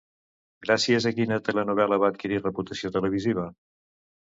Gràcies a quina telenovel·la va adquirir reputació televisiva?